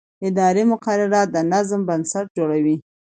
اداري مقررات د نظم بنسټ جوړوي.